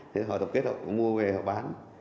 thế họ tập kết họ mua về họ bán